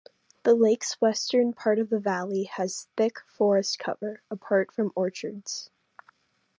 The lake's western part of the valley has thick forest cover, apart from orchards.